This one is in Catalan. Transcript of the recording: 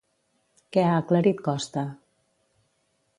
Què ha aclarit Costa?